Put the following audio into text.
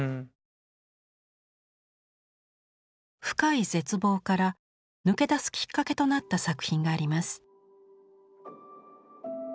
深い絶望から抜け出すきっかけとなった作品があります。